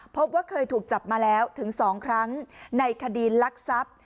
พบว่าเคยถูกจับมาแล้วถึง๒ครั้งในคดีลักทรัพย์